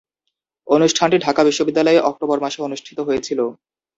অনুষ্ঠানটি ঢাকা বিশ্ববিদ্যালয়ে অক্টোবর মাসে অনুষ্ঠিত হয়েছিলো।